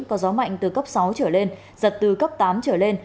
có gió mạnh từ cấp sáu trở lên giật từ cấp tám trở lên